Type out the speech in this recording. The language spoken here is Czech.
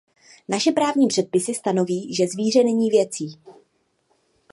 Naše právní předpisy stanoví, že zvíře není věcí.